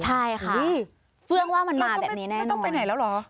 ใช่ค่ะเฟื้องว่ามันมาแบบนี้แน่นอนแล้วก็ไม่ต้องไปไหนแล้วเหรอ